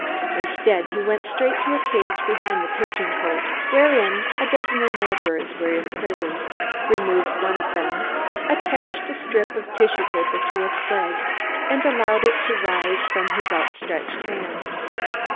Instead he went straight to a cage beside the pigeon cote, wherein a dozen or more birds were imprisoned, removed one of them, attached a strip of the tissue paper to its leg, and allowed it to rise from his out stretched hand.